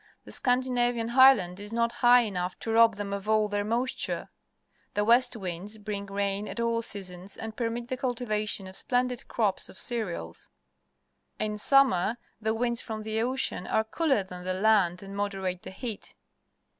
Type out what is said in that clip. The Scandinavian Highland is not high enough to rob them of all their moisture. The west wands bring rain at all seasons and permit the cultivation 166 PUBLIC SCHOOL GEOGRAPHY of splendid crops of cereals. In summer the winds from the ocean are cooler than the land and moderate the heat.